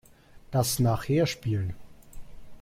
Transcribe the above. Das nachher spielen.